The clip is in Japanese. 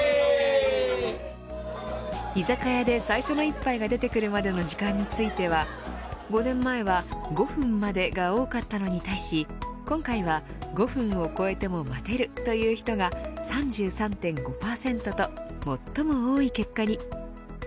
居酒屋で最初の一杯が出てくるまでの時間については５年前は５分までが多かったのに対し今回は、５分を超えても待てるという人が３３．５％と最も多い結果に。